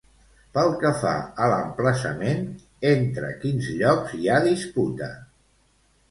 Pel que fa a l'emplaçament, entre quins llocs hi ha disputa?